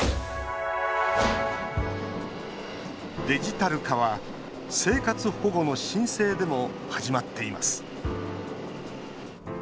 デジタル化は生活保護の申請でも始まっています。